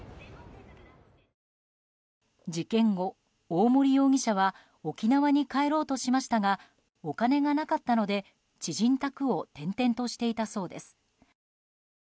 事件後、大森容疑者は沖縄に帰ろうとしましたがお金がなかったので知人宅を転々としていたそうです。